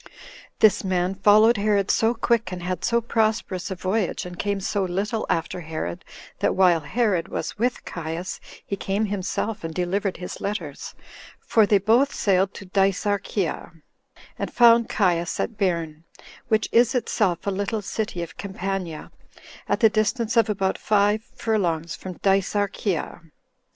This man followed Herod so quick, and had so prosperous a voyage, and came so little after Herod, that while Herod was with Caius, he came himself, and delivered his letters; for they both sailed to Dicearchia, and found Caius at Bairn, which is itself a little city of Campania, at the distance of about five furlongs from Dicearchia.